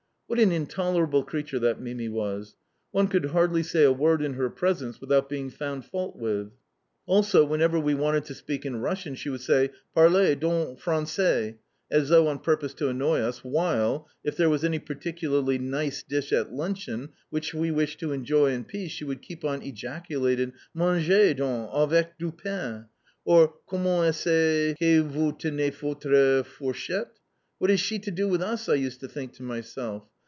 What an intolerable creature that Mimi was! One could hardly say a word in her presence without being found fault with. Also whenever we wanted to speak in Russian, she would say, "Parlez, donc, francais," as though on purpose to annoy us, while, if there was any particularly nice dish at luncheon which we wished to enjoy in peace, she would keep on ejaculating, "Mangez, donc, avec du pain!" or, "Comment est ce que vous tenez votre fourchette?" "What has SHE got to do with us?" I used to think to myself.